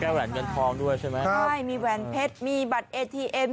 แก้วแหวนกันพร้อมด้วยใช่ไหมใช่มีแวนเพชรมีบัตรเอทีเอ็ม